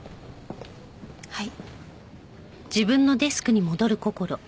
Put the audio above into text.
はい。